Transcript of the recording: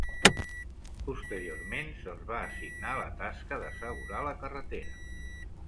Posteriorment se'ls va assignar la tasca d'assegurar la carretera.